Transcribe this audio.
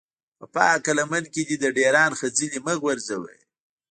په پاکه لمن کې دې د ډېران خځلې مه غورځوه.